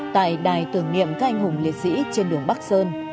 tại đài tưởng niệm các anh hùng liệt sĩ trên đường bắc sơn